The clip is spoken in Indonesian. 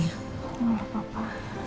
ya allah papa